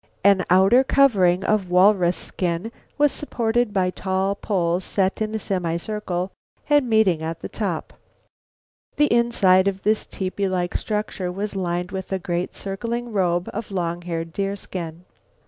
An outer covering of walrus skin was supported by tall poles set in a semicircle and meeting at the top. The inside of this tepee like structure was lined with a great circling robe of long haired deerskin.